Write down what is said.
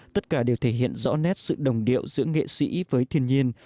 tất cả đều thể hiện rõ nét sự đồng điệu giữa nghệ sĩ với thiên nhiên